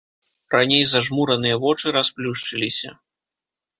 Раней зажмураныя вочы расплюшчыліся.